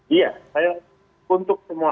iya saya untuk semua